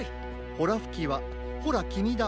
ほらふきはほらきみだ！